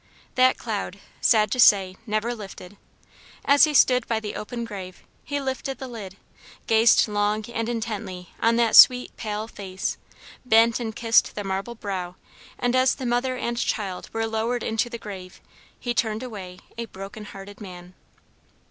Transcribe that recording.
That cloud, sad to say, never lifted. As he stood by the open grave, he lifted the lid, gazed long and intently on that sweet pale face, bent and kissed the marble brow, and as the mother and child were lowered into the grave, he turned away a broken hearted man.